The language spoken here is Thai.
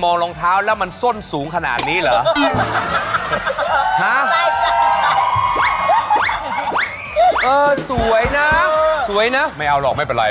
หัวรองนี้เลย